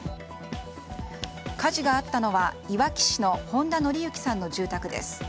火事があったのは、いわき市の本田則行さんの住宅です。